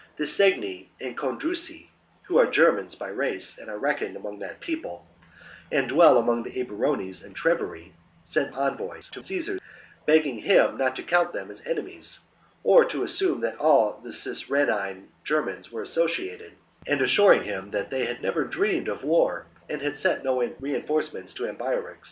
The Scgni and Condrusi, who are Germans SndS°cicero by racc and are reckoned among that people, and fn charge of who dwell bctwecn the Eburones and the Treveri, blggagef sent envoys to Caesar, begging him not to count them as enemies or assume that all the Cisrhenane Germans were associated, and assuring him that they had never dreamed of war, and had sent no reinforcements to Ambiorix.